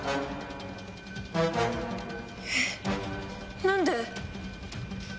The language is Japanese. えっ何で？